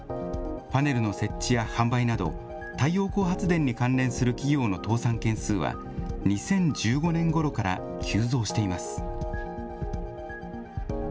パネルの設置や販売など、太陽光発電に関連する企業の倒産件数は、２０１５年ごろから急増しています。